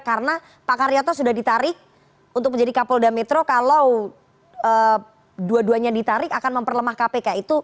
karena pak karyato sudah ditarik untuk menjadi kapolda metro kalau dua duanya ditarik akan memperlemah kpk